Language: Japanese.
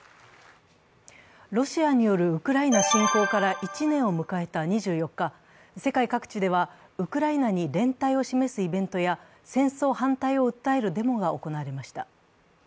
ロシアによるウクライナ侵攻から１年を迎えた２４日世界各地ではウクライナに連帯を示すイベントや戦争反対を訴えるデモが行われました。